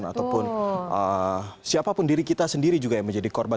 ataupun siapapun diri kita sendiri juga yang menjadi korban